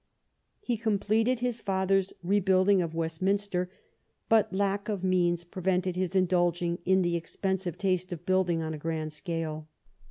He completed his father's rebuilding of Westminster, but lack of means prevented his indulging in the expensive taste of building on a large scale.